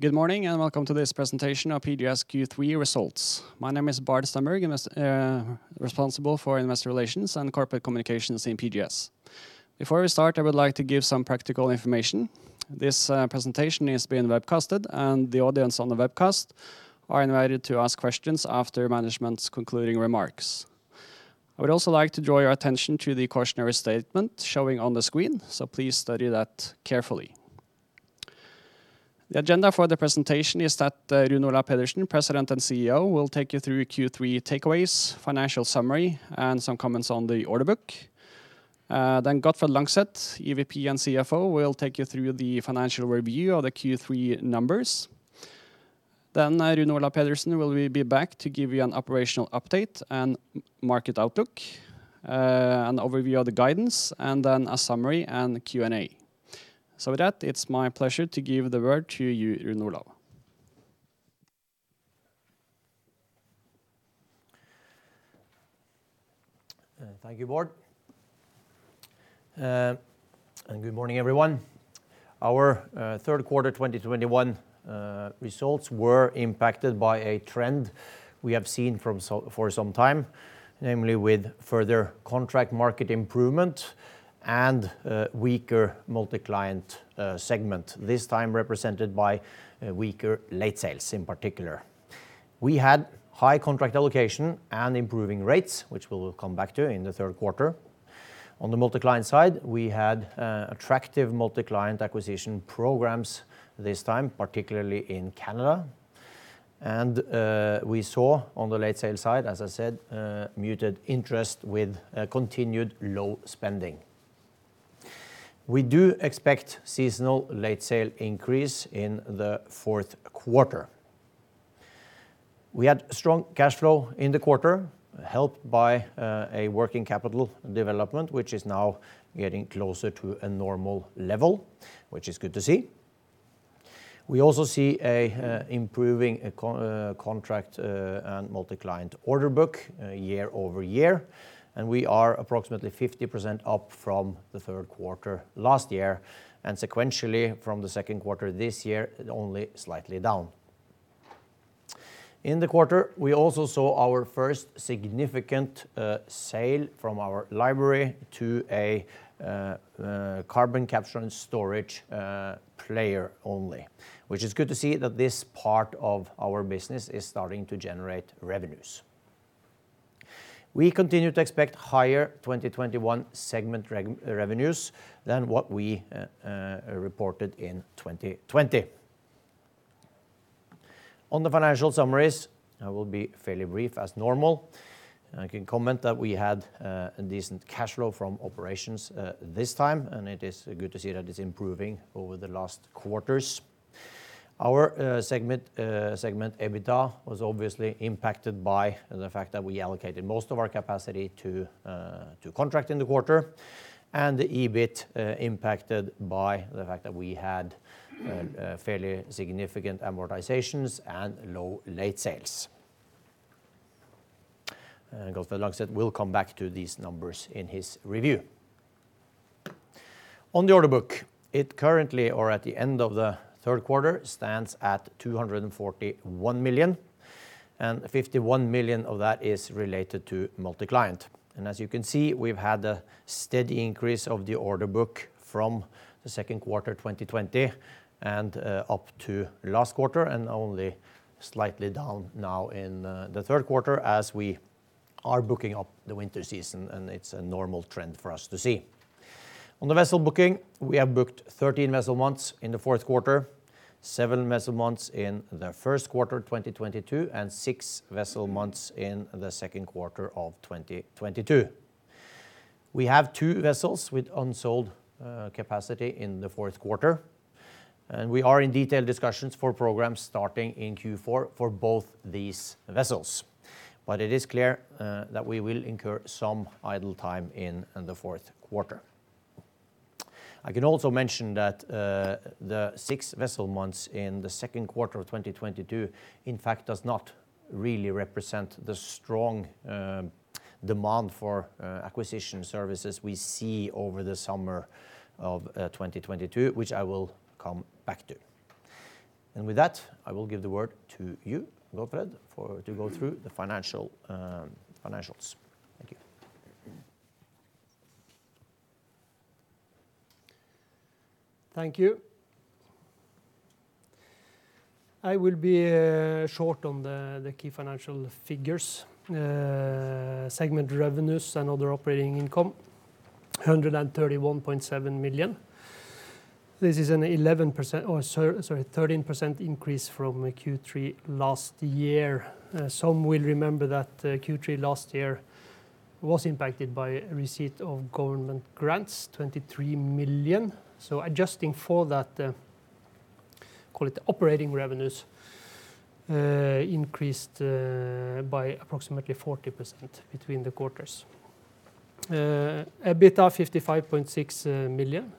Good morning. Welcome to this presentation of PGS Q3 results. My name is Bård Stenberg, responsible for investor relations and corporate communications in PGS. Before we start, I would like to give some practical information. This presentation is being webcasted, and the audience on the webcast are invited to ask questions after management's concluding remarks. I would also like to draw your attention to the cautionary statement showing on the screen, so please study that carefully. The agenda for the presentation is that Rune Olav Pedersen, President and CEO, will take you through Q3 takeaways, financial summary, and some comments on the order book. Gottfred Langseth, EVP and CFO, will take you through the financial review of the Q3 numbers. Rune Olav Pedersen will be back to give you an operational update and market outlook, an overview of the guidance, and then a summary and Q&A. With that, it's my pleasure to give the word to you, Rune Olav. Thank you, Bård. And good morning, everyone. Our third quarter 2021 results were impacted by a trend we have seen for some time, namely with further contract market improvement and weaker multi-client segment, this time represented by weaker late sales in particular. We had high contract allocation and improving rates, which we'll come back to in the third quarter. On the multi-client side, we had attractive multi-client acquisition programs this time, particularly in Canada. We saw on the late sale side, as I said, muted interest with continued low spending. We do expect seasonal late sale increase in the fourth quarter. We had strong cash flow in the quarter, helped by a working capital development, which is now getting closer to a normal level, which is good to see. We also see an improving contract and multi-client order book year-over-year, and we are approximately 50% up from the third quarter last year and sequentially from the second quarter this year, only slightly down. In the quarter, we also saw our first significant sale from our library to a carbon capture and storage player only, which is good to see that this part of our business is starting to generate revenues. We continue to expect higher 2021 segment revenues than what we reported in 2020. On the financial summaries, I will be fairly brief as normal. I can comment that we had a decent cash flow from operations this time, and it is good to see that it's improving over the last quarters. Our segment EBITDA was obviously impacted by the fact that we allocated most of our capacity to contract in the quarter, and the EBIT impacted by the fact that we had fairly significant amortizations and low late sales. Gottfred Langseth will come back to these numbers in his review. On the order book, it currently, or at the end of the third quarter, stands at $241 million and $51 million of that is related to multi-client. As you can see, we've had a steady increase of the order book from the second quarter 2020 and up to last quarter and only slightly down now in the third quarter as we are booking up the winter season and it's a normal trend for us to see. On the vessel booking, we have booked 13 vessel months in the fourth quarter, seven vessel months in the first quarter 2022, and six vessel months in the second quarter of 2022. We have two vessels with unsold capacity in the fourth quarter, and we are in detailed discussions for programs starting in Q4 for both these vessels. It is clear that we will incur some idle time in the fourth quarter. I can also mention that the six vessel months in the second quarter of 2022 in fact does not really represent the strong demand for acquisition services we see over the summer of 2022, which I will come back to. With that, I will give the word to you, Gottfred, to go through the financials. Thank you. Thank you. I will be short on the key financial figures. Segment revenues and other operating income, $131.7 million. This is an 11%, or sorry, 13% increase from Q3 last year. Some will remember that Q3 last year was impacted by a receipt of government grants, $23 million. Adjusting for that, call it operating revenues, increased by approximately 40% between the quarters. EBITDA $55.6 million.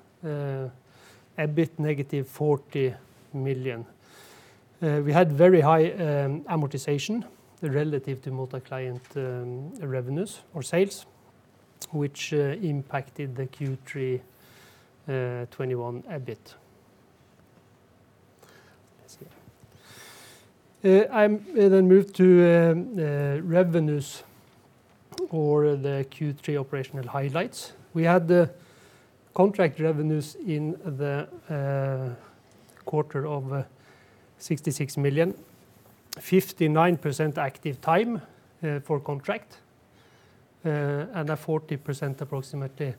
EBIT -$40 million. We had very high amortization relative to multi-client revenues or sales, which impacted the Q3 2021 a bit. Let's see. I move to revenues for the Q3 operational highlights. We had contract revenues in the quarter of $66 million, 59% active time for contract, and a 40% approximately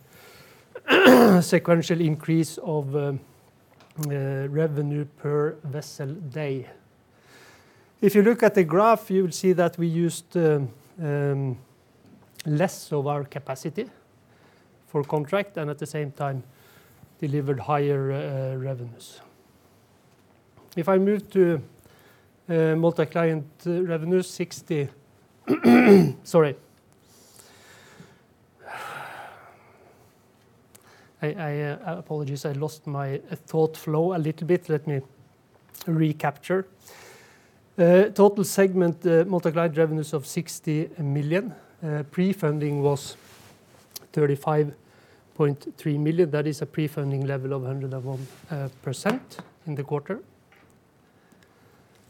sequential increase of revenue per vessel day. If you look at the graph, you will see that we used less of our capacity for contract and at the same time delivered higher revenues. I lost my thought flow a little bit. Let me recapture. Total segment multi-client revenues of $60 million. Pre-funding was $35.3 million. That is a pre-funding level of 101% in the quarter.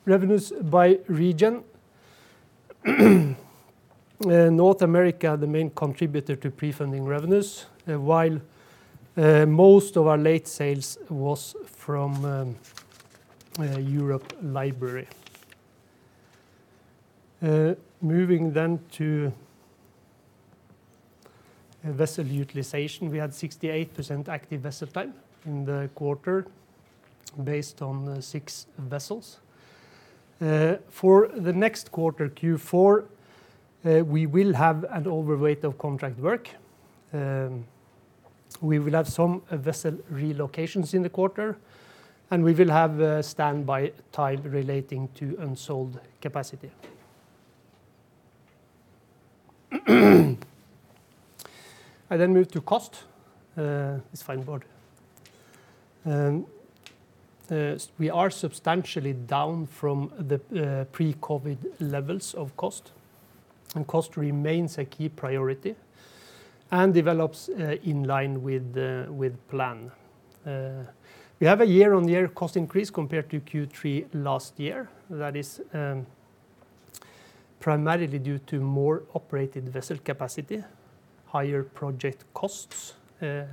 Revenues by region. North America, the main contributor to pre-funding revenues, while most of our late sales was from Europe library. Moving to vessel utilization. We had 68% active vessel time in the quarter based on the six vessels. For the next quarter, Q4, we will have an overweight of contract work. We will have some vessel relocations in the quarter, and we will have standby time relating to unsold capacity. I move to cost. It's fine, Bård. We are substantially down from the pre-COVID levels of cost, and cost remains a key priority and develops in line with plan. We have a year-on-year cost increase compared to Q3 last year. That is primarily due to more operated vessel capacity, higher project costs, and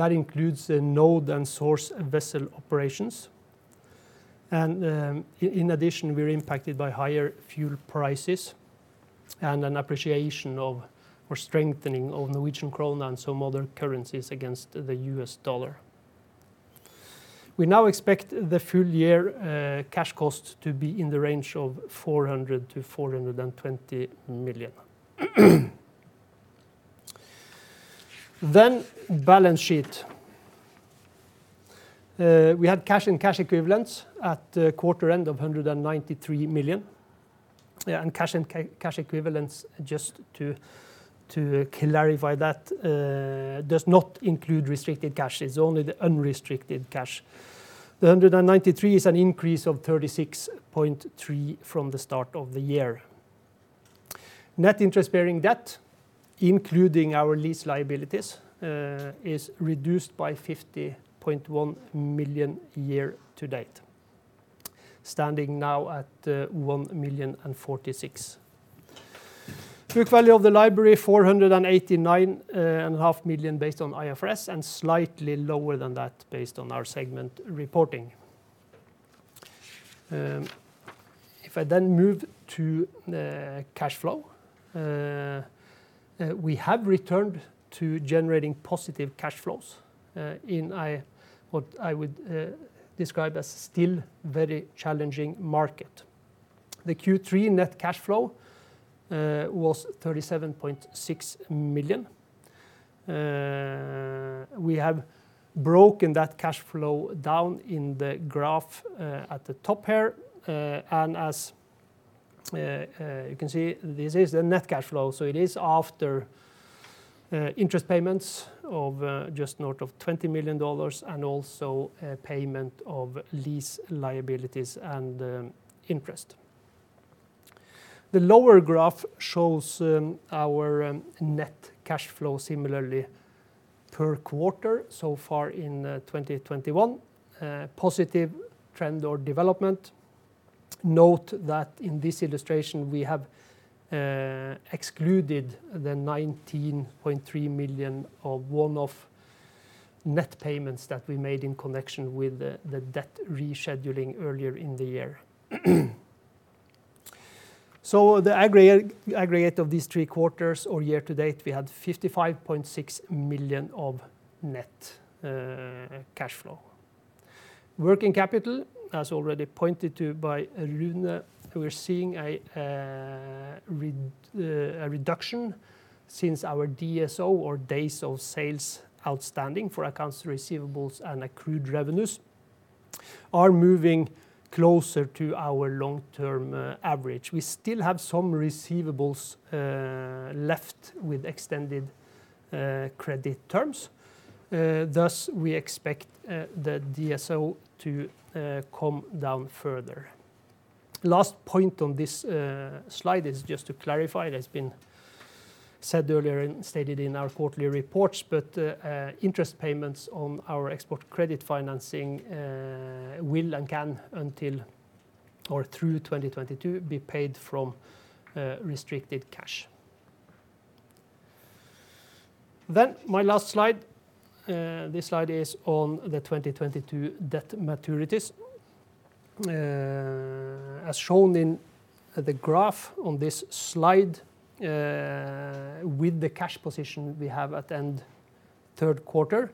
that includes node and source vessel operations. In addition, we're impacted by higher fuel prices and an appreciation of or strengthening of Norwegian krone and some other currencies against the U.S. dollar. We now expect the full year cash cost to be in the range of $400 million-$420 million. Balance sheet. We had cash and cash equivalents at quarter end of $193 million. Cash equivalents, just to clarify that, does not include restricted cash. It's only the unrestricted cash. The $193 is an increase of $36.3 from the start of the year. Net interest-bearing debt, including our lease liabilities, is reduced by $50.1 million year-to-date, standing now at $1,000,046. Book value of the library, $489.5 million based on IFRS and slightly lower than that based on our segment reporting. I then move to cash flow. We have returned to generating positive cash flows in what I would describe as still very challenging market. The Q3 net cash flow was $37.6 million. We have broken that cash flow down in the graph at the top here. As you can see, this is the net cash flow, so it is after interest payments of just north of $20 million and also payment of lease liabilities and interest. The lower graph shows our net cash flow similarly per quarter so far in 2021. Positive trend or development. Note that in this illustration we have excluded the $19.3 million of one-off net payments that we made in connection with the debt rescheduling earlier in the year. The aggregate of these three quarters or year-to-date, we had $55.6 million of net cash flow. Working capital, as already pointed to by Rune, we are seeing a reduction since our DSO or Days of Sales Outstanding for accounts receivables and accrued revenues are moving closer to our long-term average. We still have some receivables left with extended credit terms. We expect the DSO to come down further. Last point on this slide is just to clarify, it has been said earlier and stated in our quarterly reports, interest payments on our export credit financing will and can, through 2022, be paid from restricted cash. My last slide. This slide is on the 2022 debt maturities. As shown in the graph on this slide, with the cash position we have at end third quarter,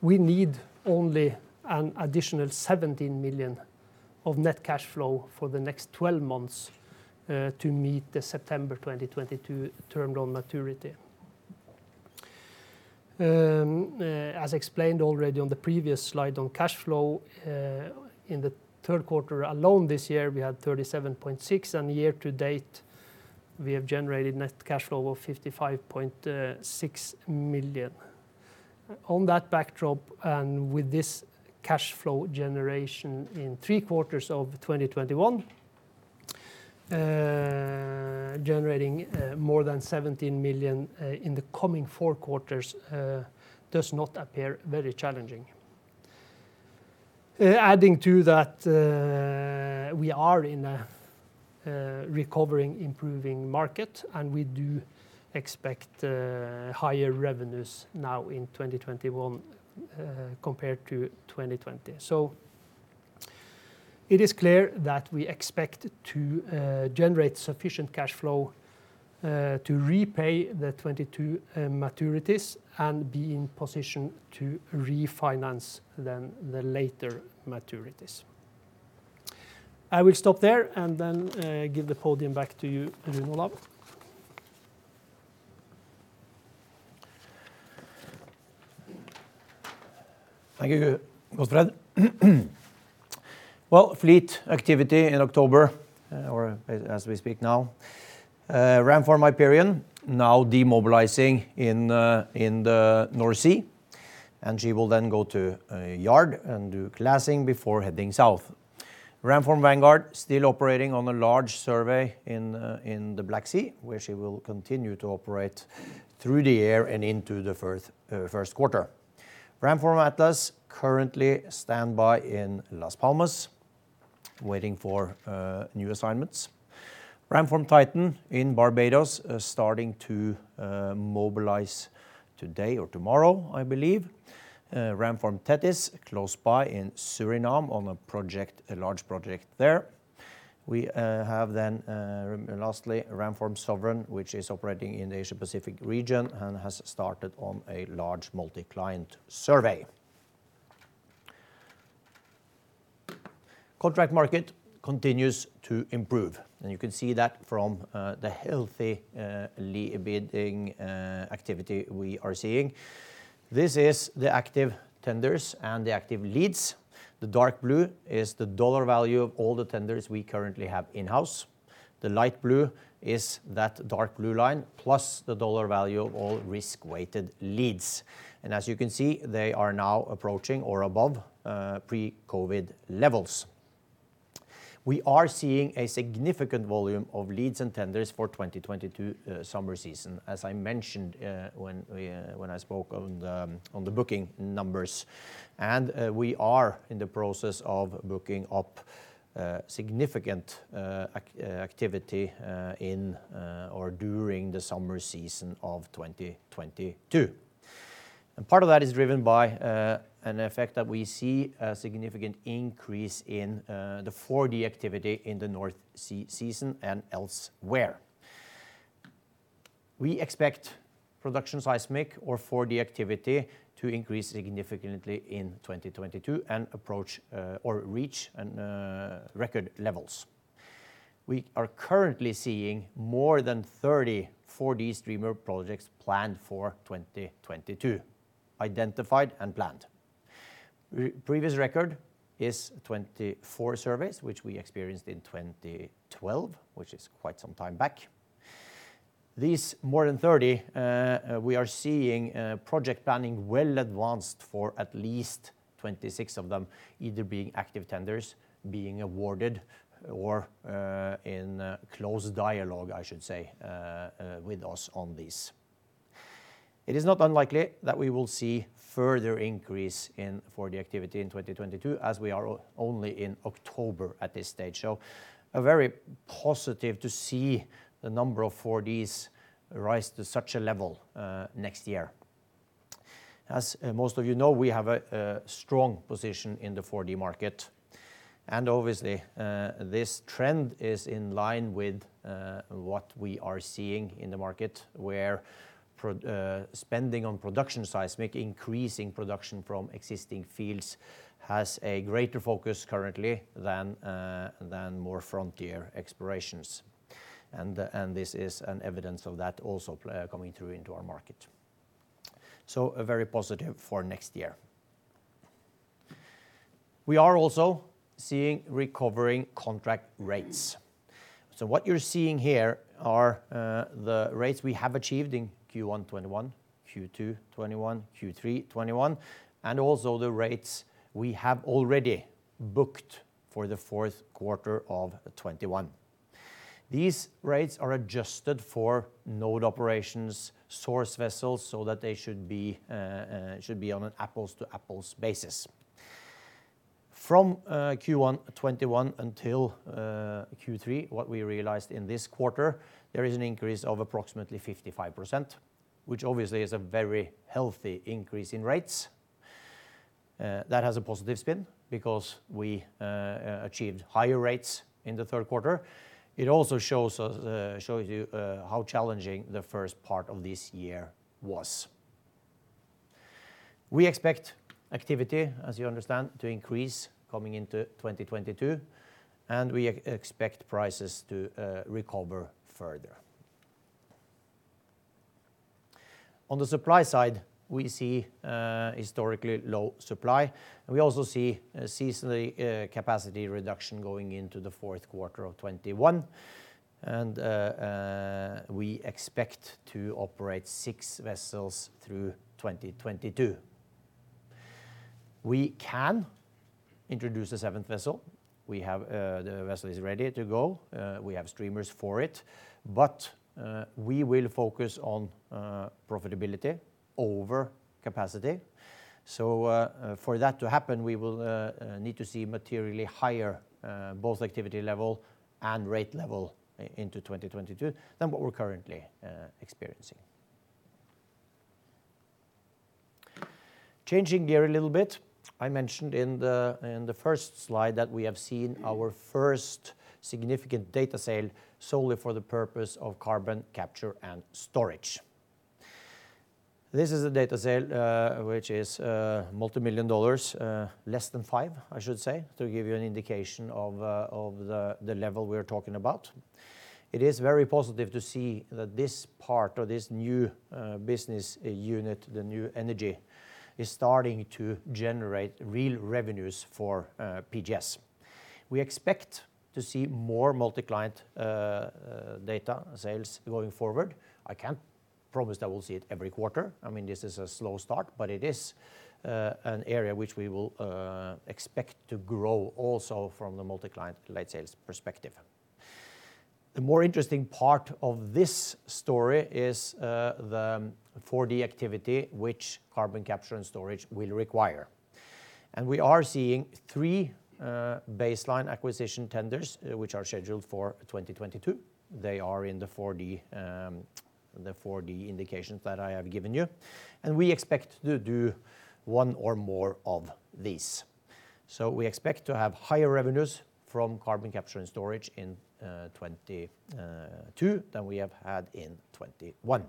we need only an additional $17 million of net cash flow for the next 12 months to meet the September 2022 term loan maturity. As explained already on the previous slide on cash flow, in the third quarter alone this year, we had $37.6, and year-to-date, we have generated net cash flow of $55.6 million. On that backdrop, and with this cash flow generation in three quarters of 2021, generating more than $17 million in the coming four quarters does not appear very challenging. Adding to that, we are in a recovering, improving market, and we do expect higher revenues now in 2021 compared to 2020. It is clear that we expect to generate sufficient cash flow to repay the 2022 maturities and be in position to refinance then the later maturities. I will stop there and then give the podium back to you, Olav. Thank you, Gottfred. Well, fleet activity in October, or as we speak now. Ramform Hyperion now demobilizing in the North Sea. She will then go to a yard and do classing before heading south. Ramform Vanguard, still operating on a large survey in the Black Sea, where she will continue to operate through the year and into the first quarter. Ramform Atlas, currently standby in Las Palmas, waiting for new assignments. Ramform Titan in Barbados, starting to mobilize today or tomorrow, I believe. Ramform Tethys close by in Suriname on a large project there. We have, lastly, Ramform Sovereign, which is operating in the Asia Pacific region and has started on a large multi-client survey. Contract market continues to improve. You can see that from the healthy bidding activity we are seeing. This is the active tenders and the active leads. The dark blue is the dollar value of all the tenders we currently have in-house. The light blue is that dark blue line plus the dollar value of all risk-weighted leads. As you can see, they are now approaching or above pre-COVID levels. We are seeing a significant volume of leads and tenders for 2022 summer season, as I mentioned when I spoke on the booking numbers. We are in the process of booking up significant activity during the summer season of 2022. Part of that is driven by an effect that we see a significant increase in the 4D activity in the North Sea season and elsewhere. We expect production seismic or 4D activity to increase significantly in 2022 and approach or reach record levels. We are currently seeing more than 30 4D streamer projects planned for 2022, identified and planned. Previous record is 24 surveys, which we experienced in 2012, which is quite some time back. These more than 30, we are seeing project planning well advanced for at least 26 of them, either being active tenders, being awarded, or in close dialogue, I should say, with us on this. It is not unlikely that we will see further increase in 4D activity in 2022, as we are only in October at this stage. Very positive to see the number of 4Ds rise to such a level next year. As most of you know, we have a strong position in the 4D market. Obviously, this trend is in line with what we are seeing in the market, where spending on production seismic, increasing production from existing fields, has a greater focus currently than more frontier explorations. This is an evidence of that also coming through into our market. Very positive for next year. We are also seeing recovering contract rates. What you're seeing here are the rates we have achieved in Q1 2021, Q2 2021, Q3 2021, and also the rates we have already booked for the fourth quarter of 2021. These rates are adjusted for node operations, source vessels, so that they should be on an apples-to-apples basis. From Q1 2021 until Q3, what we realized in this quarter, there is an increase of approximately 55%, which obviously is a very healthy increase in rates. That has a positive spin because we achieved higher rates in the third quarter. It also shows you how challenging the first part of this year was. We expect activity, as you understand, to increase coming into 2022, and we expect prices to recover further. On the supply side, we see historically low supply. We also see a seasonally capacity reduction going into the 4th quarter of 2021. We expect to operate six vessels through 2022. We can introduce a seventh vessel. The vessel is ready to go. We have streamers for it. We will focus on profitability over capacity. For that to happen, we will need to see materially higher both activity level and rate level into 2022 than what we're currently experiencing. Changing gear a little bit. I mentioned in the first slide that we have seen our first significant data sale solely for the purpose of carbon capture and storage. This is a data sale, which is multi-million dollars, less than $5 million, I should say, to give you an indication of the level we are talking about. It is very positive to see that this part of this new business unit, the New Energy, is starting to generate real revenues for PGS. We expect to see more multi-client data sales going forward. I can't promise that we'll see it every quarter. This is a slow start. It is an area which we will expect to grow also from the multi-client late sales perspective. The more interesting part of this story is the 4D activity which carbon capture and storage will require. We are seeing three baseline acquisition tenders, which are scheduled for 2022. They are in the 4D indications that I have given you, and we expect to do one or more of these. We expect to have higher revenues from carbon capture and storage in 2022 than we have had in 2021.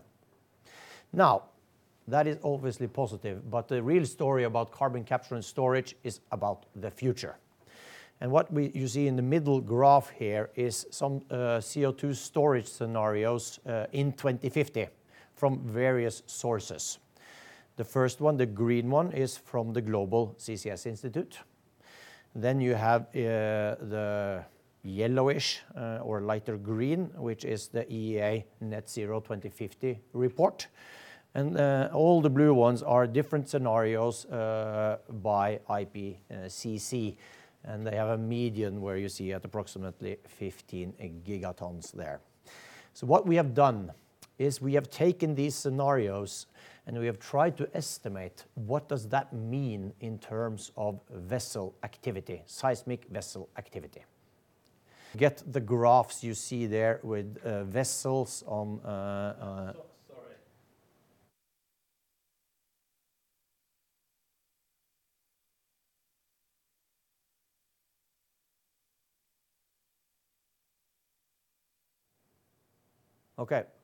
That is obviously positive, but the real story about carbon capture and storage is about the future. What you see in the middle graph here is some CO2 storage scenarios in 2050 from various sources. The first one, the green one, is from the Global CCS Institute. You have the yellowish or lighter green, which is the IEA Net Zero 2050 report. All the blue ones are different scenarios by IPCC, and they have a median where you see at approximately 15 gigatons there. What we have done is we have taken these scenarios and we have tried to estimate what does that mean in terms of vessel activity, seismic vessel activity. Get the graphs you see there with vessels on- Sorry.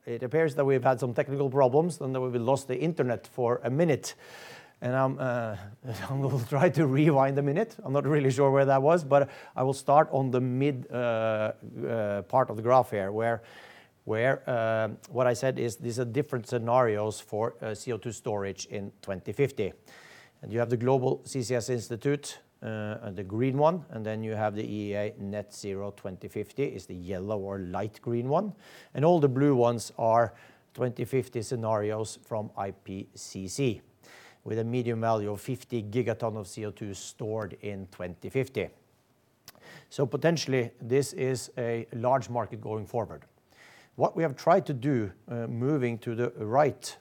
It appears that we've had some technical problems, that we lost the internet for a minute. I will try to rewind one minute. I'm not really sure where that was. I will start on the mid-part of the graph here, where what I said is these are different scenarios for CO2 storage in 2050. You have the Global CCS Institute, the green one. You have the IEA Net Zero 2050 is the yellow or light green one. All the blue ones are 2050 scenarios from IPCC with a medium value of 50 gigatons of CO2 stored in 2050. Potentially, this is a large market going forward. What we have tried to do, moving to the right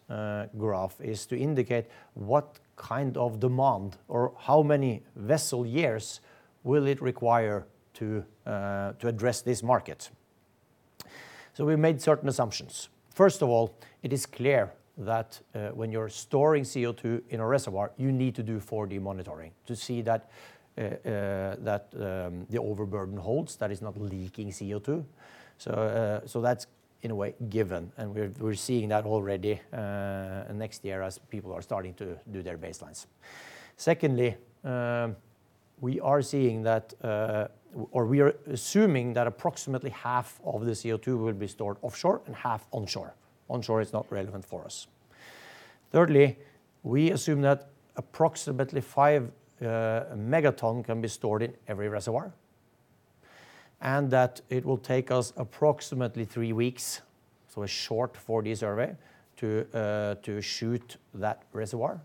graph, is to indicate what kind of demand or how many vessel-years will it require to address this market. We made certain assumptions. First of all, it is clear that when you're storing CO2 in a reservoir, you need to do 4D monitoring to see that the overburden holds, that it's not leaking CO2. That's in a way given, and we're seeing that already next year as people are starting to do their baselines. Secondly, we are seeing that, or we are assuming that approximately half of the CO2 will be stored offshore and half onshore. Onshore is not relevant for us. Thirdly, we assume that approximately 5 megaton can be stored in every reservoir, and that it will take us approximately three weeks, so a short 4D survey, to shoot that reservoir.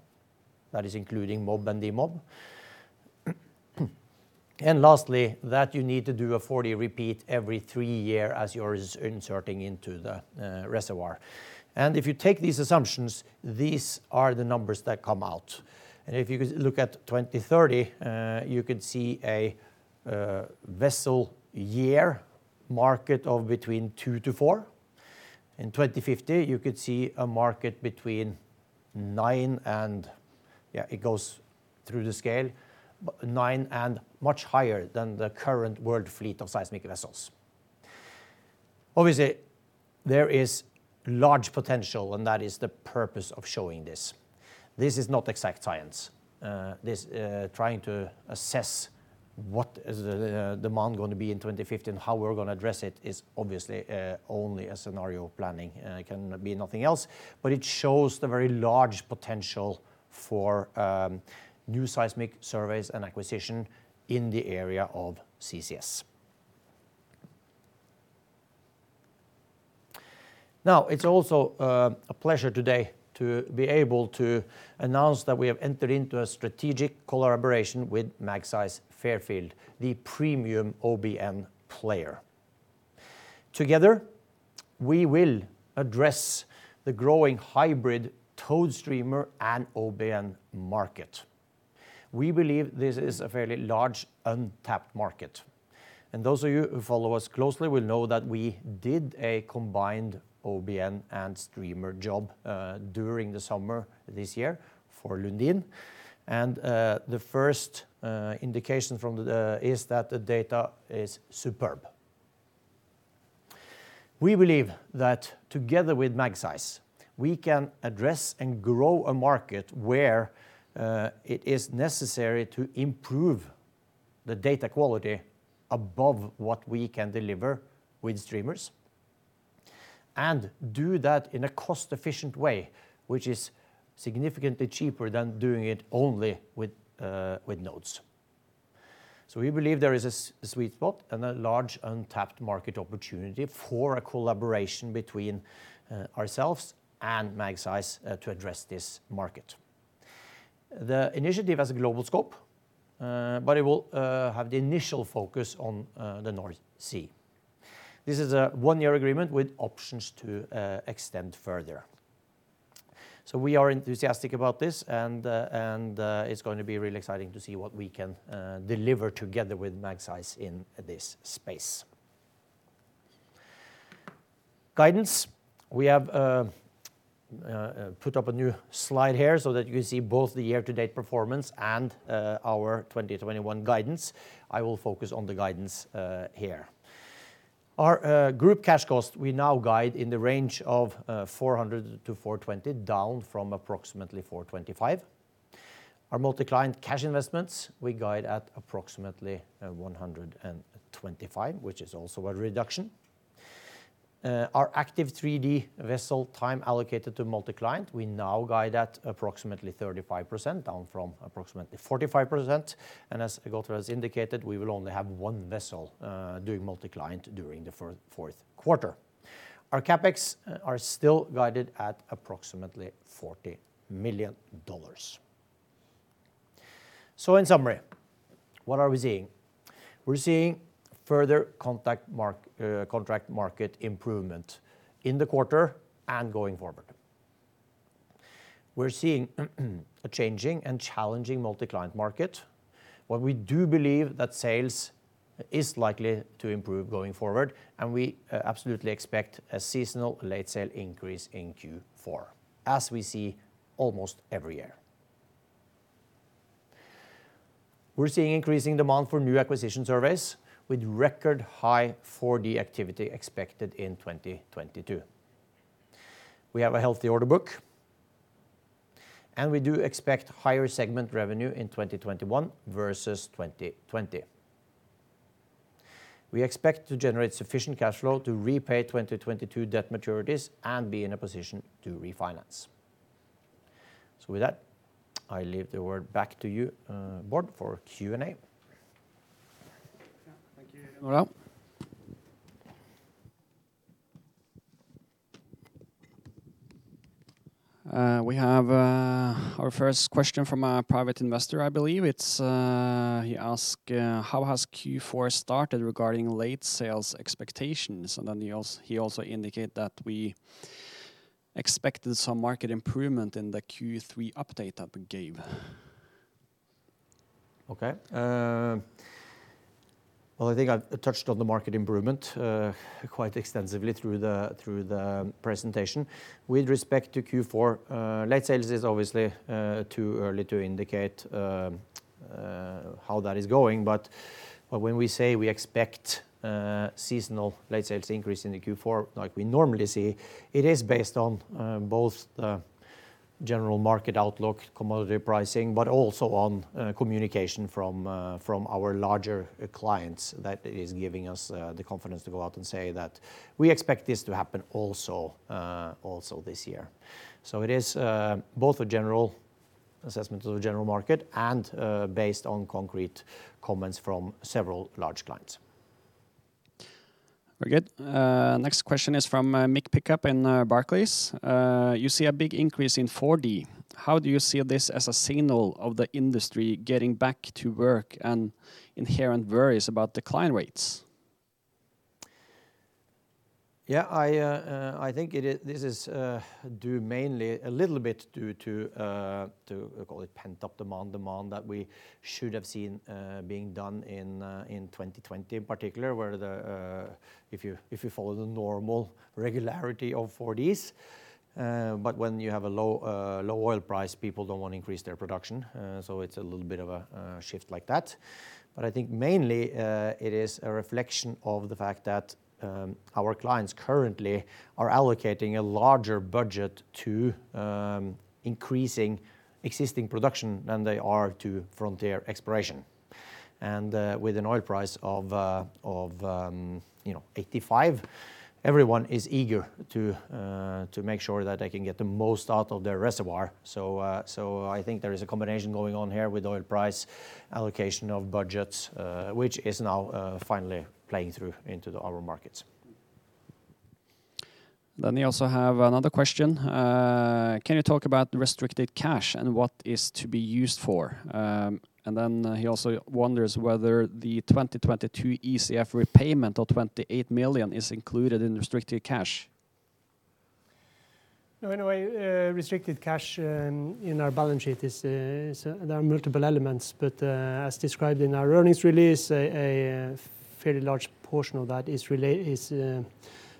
That is including mob and demob. Lastly, that you need to do a 4D repeat every three year as you are inserting into the reservoir. If you take these assumptions, these are the numbers that come out. If you look at 2030, you could see a vessel year market of between two to four. In 2050, you could see a market between nine and much higher than the current world fleet of seismic vessels. Obviously, there is large potential, and that is the purpose of showing this. This is not exact science. This trying to assess what is the demand going to be in 2050 and how we're going to address it is obviously only a scenario planning. It can be nothing else. It shows the very large potential for new seismic surveys and acquisition in the area of CCS. Now, it's also a pleasure today to be able to announce that we have entered into a strategic collaboration with Magseis Fairfield, the premium OBN player. Together, we will address the growing hybrid towed streamer and OBN market. We believe this is a fairly large untapped market, and those of you who follow us closely will know that we did a combined OBN and streamer job during the summer this year for Lundin. The first indication from the is that the data is superb. We believe that together with Magseis, we can address and grow a market where it is necessary to improve the data quality above what we can deliver with streamers, and do that in a cost-efficient way, which is significantly cheaper than doing it only with nodes. We believe there is a sweet spot and a large untapped market opportunity for a collaboration between ourselves and Magseis to address this market. The initiative has a global scope, but it will have the initial focus on the North Sea. This is a one-year agreement with options to extend further. We are enthusiastic about this and it's going to be really exciting to see what we can deliver together with Magseis in this space. Guidance. We have put up a new slide here so that you can see both the year-to-date performance and our 2021 guidance. I will focus on the guidance here. Our group cash cost we now guide in the range of $400-$420, down from approximately $425. Our multi-client cash investments we guide at approximately $125, which is also a reduction. Our active 3D vessel time allocated to multi-client, we now guide at approximately 35%, down from approximately 45%. As Gottfred has indicated, we will only have one vessel doing multi-client during the fourth quarter. Our CapEx are still guided at approximately $40 million. In summary, what are we seeing? We're seeing further contract market improvement in the quarter and going forward. We're seeing a changing and challenging multi-client market, but we do believe that sales is likely to improve going forward, and we absolutely expect a seasonal late sale increase in Q4, as we see almost every year. We're seeing increasing demand for new acquisition surveys with record high 4D activity expected in 2022. We have a healthy order book, and we do expect higher segment revenue in 2021 versus 2020. We expect to generate sufficient cash flow to repay 2022 debt maturities and be in a position to refinance. With that, I leave the word back to you, Bård, for Q&A. Yeah, thank you, Olav. We have our first question from a private investor, I believe. He asks, "How has Q4 started regarding late sales expectations?" He also indicates that we expected some market improvement in the Q3 update that we gave. Okay. Well, I think I've touched on the market improvement quite extensively through the presentation. With respect to Q4, late sales is obviously too early to indicate how that is going. When we say we expect seasonal late sales increase in the Q4, like we normally see, it is based on both the general market outlook, commodity pricing, but also on communication from our larger clients that is giving us the confidence to go out and say that we expect this to happen also this year. It is both a general assessment of the general market and based on concrete comments from several large clients. Very good. Next question is from Mick Pickup in Barclays. You see a big increase in 4D. How do you see this as a signal of the industry getting back to work and inherent worries about decline rates? I think this is a little bit due to, call it pent-up demand that we should have seen being done in 2020 in particular, if you follow the normal regularity of 4D. When you have a low oil price, people don't want to increase their production. It's a little bit of a shift like that. I think mainly it is a reflection of the fact that our clients currently are allocating a larger budget to increasing existing production than they are to frontier exploration. With an oil price of 85, everyone is eager to make sure that they can get the most out of their reservoir. I think there is a combination going on here with oil price allocation of budgets which is now finally playing through into our markets. We also have another question. Can you talk about restricted cash and what it's to be used for? He also wonders whether the 2022 ECF repayment of $28 million is included in restricted cash. In a way, restricted cash in our balance sheet, there are multiple elements, but as described in our earnings release, a fairly large portion of that is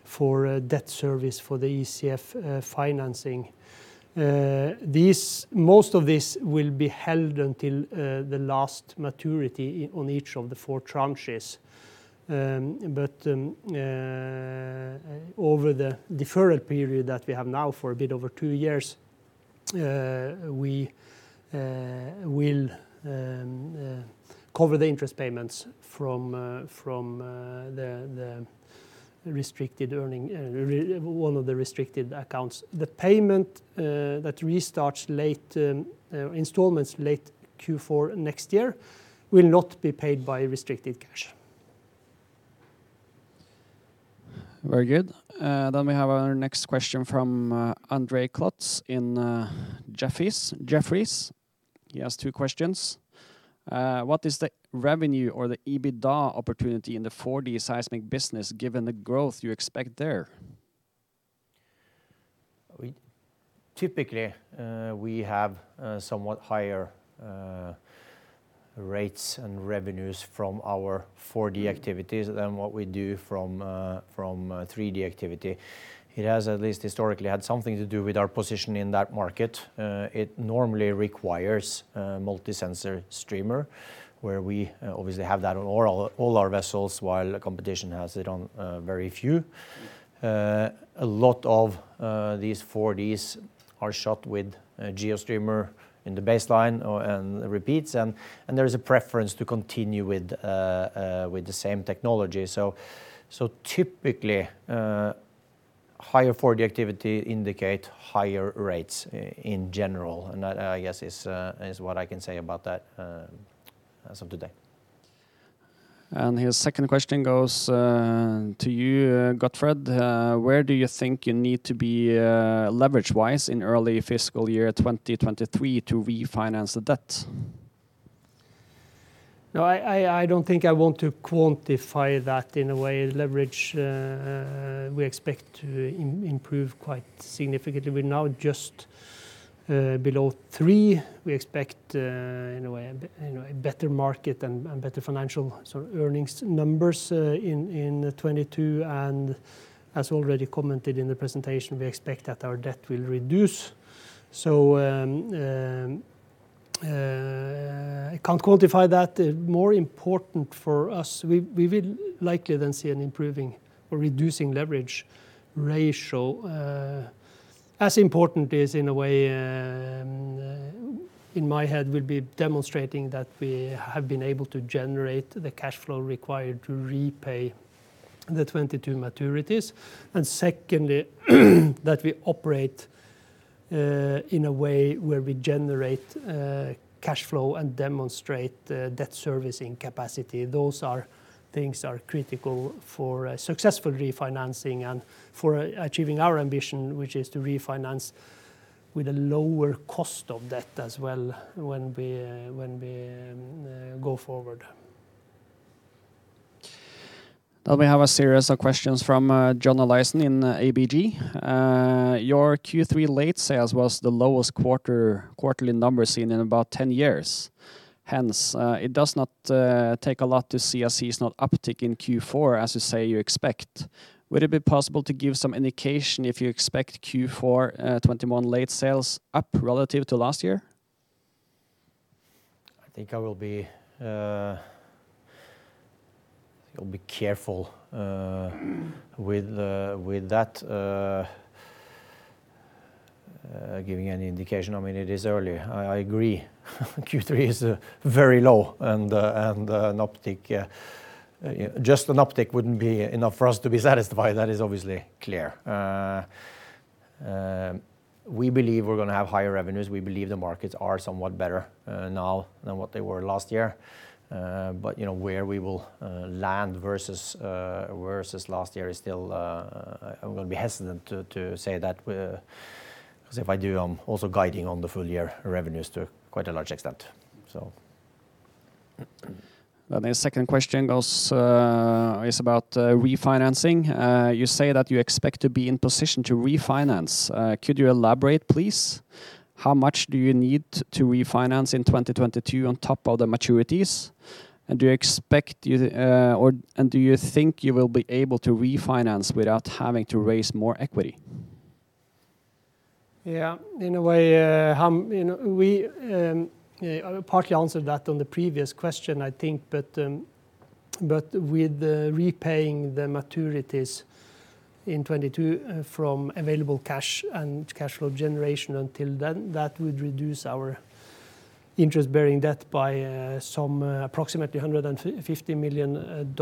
for debt service for the ECF financing. Most of this will be held until the last maturity on each of the four tranches. Over the deferral period that we have now for a bit over two years, we will cover the interest payments from one of the restricted accounts. The payment that restarts installments late Q4 next year will not be paid by restricted cash. Very good. We have our next question from Andre Klotz in Jefferies. He has two questions. What is the revenue or the EBITDA opportunity in the 4D seismic business given the growth you expect there? Typically, we have somewhat higher rates and revenues from our 4D activities than what we do from 3D activity. It has at least historically had something to do with our position in that market. It normally requires a multi-sensor streamer, where we obviously have that on all our vessels, while the competition has it on very few. A lot of these 4Ds are shot with GeoStreamer in the baseline and repeats, and there is a preference to continue with the same technology. Typically, higher 4D activity indicate higher rates in general, and that, I guess, is what I can say about that as of today. His second question goes to you, Gottfred. Where do you think you need to be leverage-wise in early fiscal year 2023 to refinance the debt? I don't think I want to quantify that in a way. Leverage we expect to improve quite significantly. We're now just below three. We expect a better market and better financial earnings numbers in 2022. As already commented in the presentation, we expect that our debt will reduce. I can't quantify that. More important for us, we will likely then see an improving or reducing leverage ratio. As important is in a way, in my head, will be demonstrating that we have been able to generate the cash flow required to repay the 2022 maturities. Secondly, that we operate in a way where we generate cash flow and demonstrate debt servicing capacity. Those things are critical for a successful refinancing and for achieving our ambition, which is to refinance with a lower cost of debt as well when we go forward. We have a series of questions from John Olaisen in ABG. Your Q3 late sales was the lowest quarterly numbers seen in about 10 years. Hence, it does not take a lot to see a seasonal uptick in Q4 as you say you expect. Would it be possible to give some indication if you expect Q4 2021 late sales up relative to last year? I think I will be careful with that giving any indication. It is early. I agree. Q3 is very low and just an uptick wouldn't be enough for us to be satisfied. That is obviously clear. We believe we're going to have higher revenues. We believe the markets are somewhat better now than what they were last year. Where we will land versus last year, I'm going to be hesitant to say that because if I do, I'm also guiding on the full-year revenues to quite a large extent. The second question is about refinancing. You say that you expect to be in position to refinance. Could you elaborate, please? How much do you need to refinance in 2022 on top of the maturities? Do you think you will be able to refinance without having to raise more equity? In a way, we partly answered that on the previous question, I think. With repaying the maturities in 2022 from available cash and cash flow generation until then, that would reduce our interest-bearing debt by approximately $150 million.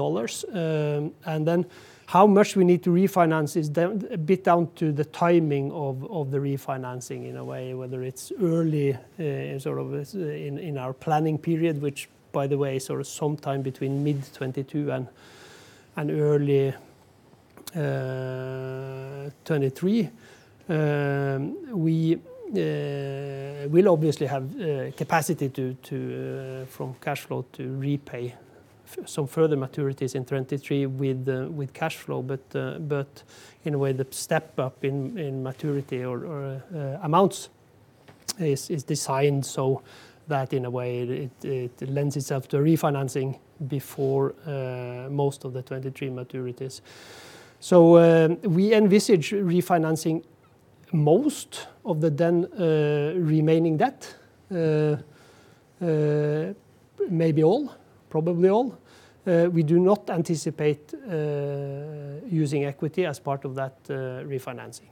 How much we need to refinance is a bit down to the timing of the refinancing in a way, whether it's early in our planning period, which by the way, is sometime between mid 2022 and early 2023. We'll obviously have capacity from cash flow to repay some further maturities in 2023 with cash flow, but in a way, the step-up in maturity or amounts is designed so that in a way it lends itself to refinancing before most of the 2023 maturities. We envisage refinancing most of the then remaining debt. Maybe all, probably all. We do not anticipate using equity as part of that refinancing.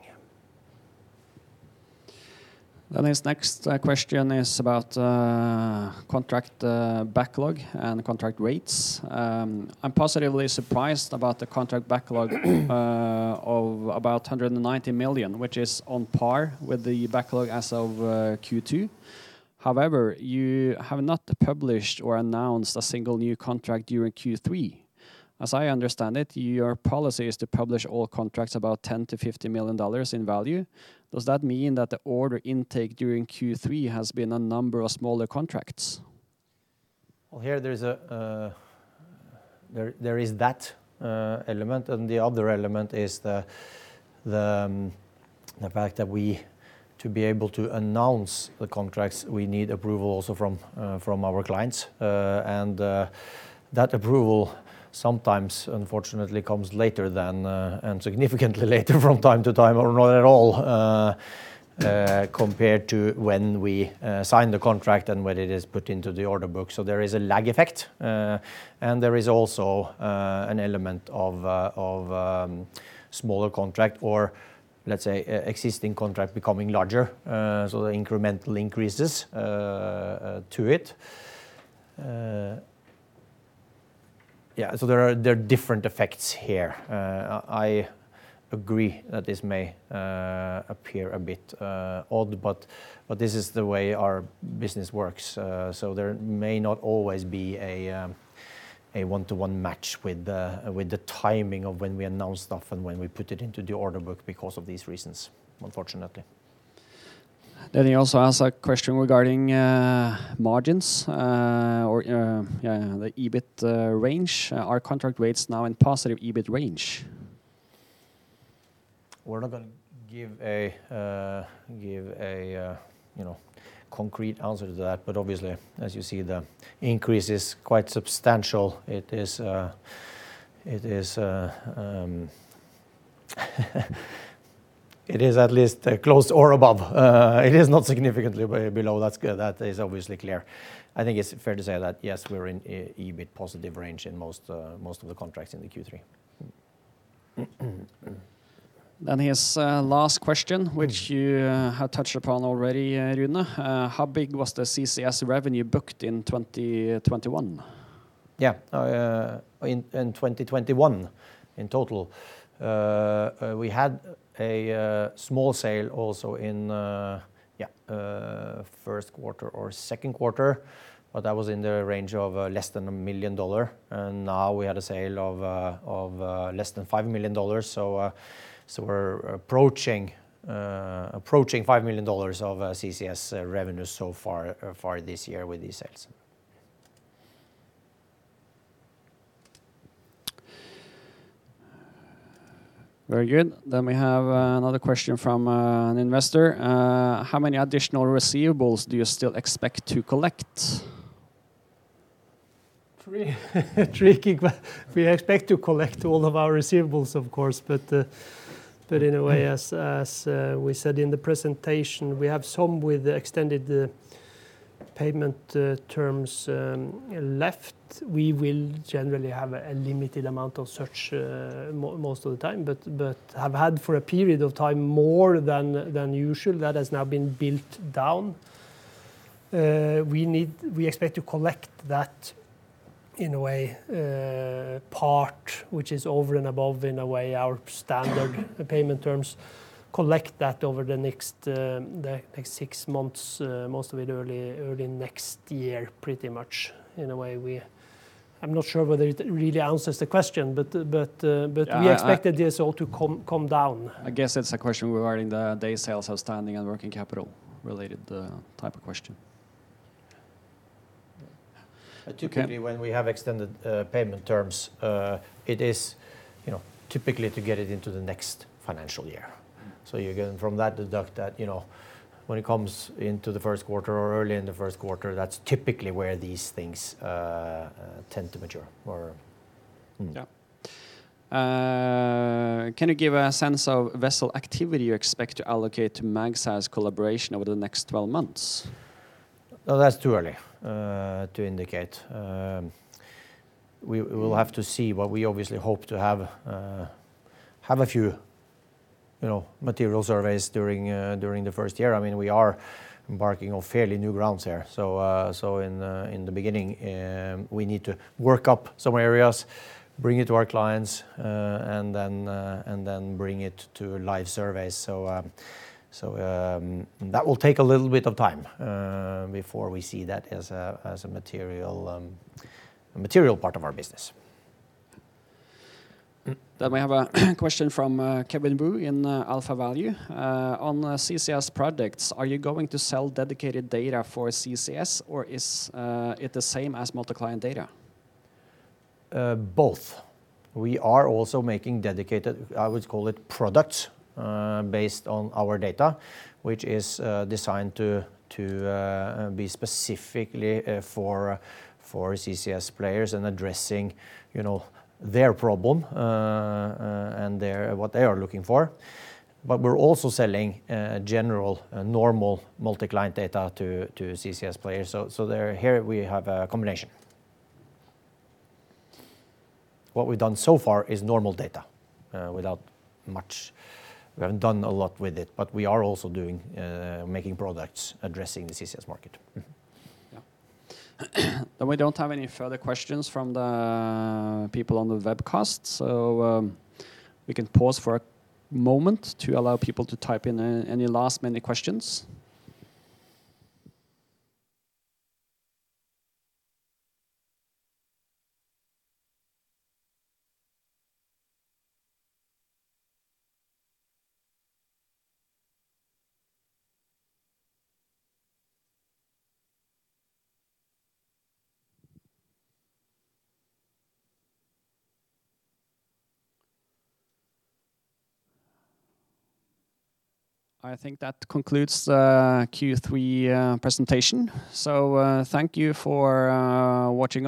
This next question is about contract backlog and contract rates. I'm positively surprised about the contract backlog of about $190 million, which is on par with the backlog as of Q2. You have not published or announced a single new contract during Q3. As I understand it, your policy is to publish all contracts about $10 million-$50 million in value. Does that mean that the order intake during Q3 has been a number of smaller contracts? Well, there is that element, and the other element is the fact that to be able to announce the contracts, we need approval also from our clients. That approval sometimes unfortunately comes later than, and significantly later from time to time or not at all compared to when we sign the contract and when it is put into the order book. There is a lag effect. There is also an element of smaller contract or let's say existing contract becoming larger. The incremental increases to it. There are different effects here. I agree that this may appear a bit odd, but this is the way our business works. There may not always be a one-to-one match with the timing of when we announce stuff and when we put it into the order book because of these reasons, unfortunately. He also asks a question regarding margins or the EBITDA range. Are contract rates now in positive EBIT range? We're not going to give a concrete answer to that. Obviously as you see, the increase is quite substantial. It is at least close or above. It is not significantly below. That is obviously clear. I think it's fair to say that yes, we're in EBIT positive range in most of the contracts in the Q3. His last question, which you have touched upon already, Rune. How big was the CCS revenue booked in 2021? Yeah. In 2021 in total, we had a small sale also in first quarter or second quarter, but that was in the range of less than $1 million. Now we had a sale of less than $5 million. We're approaching $5 million of CCS revenue so far this year with these sales. Very good. We have another question from an investor. How many additional receivables do you still expect to collect? Tricky. We expect to collect all of our receivables, of course. In a way, as we said in the presentation, we have some with extended payment terms left. We will generally have a limited amount of such most of the time, but have had for a period of time more than usual. That has now been built down. We expect to collect that, in a way, part which is over and above, in a way, our standard payment terms, collect that over the next six months, most of it early next year, pretty much. I'm not sure whether it really answers the question, but we expect the DSO to come down. I guess that's a question regarding the day sales outstanding and working capital related, the type of question. Okay. Typically, when we have extended payment terms, it is typically to get it into the next financial year. You, again, from that deduct that when it comes into the first quarter or early in the first quarter, that's typically where these things tend to mature. Yeah. Can you give a sense of vessel activity you expect to allocate to Magseis collaboration over the next 12 months? Oh, that's too early to indicate. We will have to see, but we obviously hope to have a few material surveys during the first year. We are embarking on fairly new grounds here. In the beginning, we need to work up some areas, bring it to our clients, and then bring it to live surveys. That will take a little bit of time before we see that as a material part of our business. We have a question from Kevin Wu in AlphaValue. On CCS projects, are you going to sell dedicated data for CCS, or is it the same as multi-client data? Both. We are also making dedicated, I would call it products, based on our data, which is designed to be specifically for CCS players and addressing their problem and what they are looking for. We're also selling general normal multi-client data to CCS players. Here, we have a combination. What we've done so far is normal data, without much. We haven't done a lot with it, we are also making products addressing the CCS market. Yeah. We don't have any further questions from the people on the webcast, so we can pause for a moment to allow people to type in any last-minute questions. I think that concludes the Q3 presentation. Thank you for watching us.